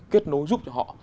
kết nối giúp cho họ